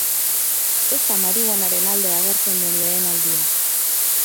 Ez da marihuanaren alde agertzen den lehen aldia.